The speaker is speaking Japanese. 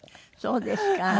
そうですか。